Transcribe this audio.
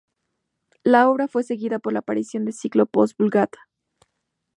La obra fue seguida por la aparición del ciclo Post-Vulgata.